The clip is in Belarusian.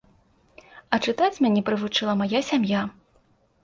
А чытаць мяне прывучыла мая сям'я.